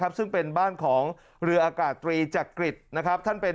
ซึ่งเป็นบ้านของเรืออากาศตรีจักริจนะครับท่านเป็น